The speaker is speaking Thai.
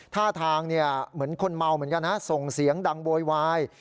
ท่าทางเหมือนคนเมาเหมือนกันนะส่งเสียงดังโวยวาย